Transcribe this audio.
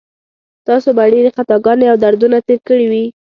تاسو به ډېرې خطاګانې او دردونه تېر کړي وي.